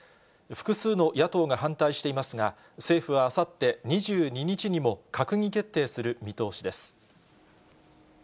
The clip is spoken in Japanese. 複数の野党が反対していますが、政府はあさって２２日にも、閣議決定する見通しです。